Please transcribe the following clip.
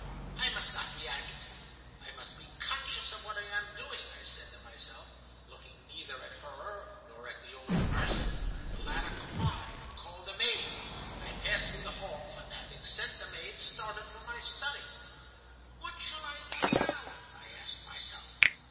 "'I must not be agitated. I must be conscious of what I am doing,' I said to myself, looking neither at her nor at the old nurse. The latter cried and called the maid. I passed through the hall, and, after having sent the maid, started for my study. "'What shall I do now?' I asked myself.